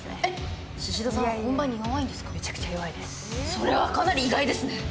それはかなり意外ですね。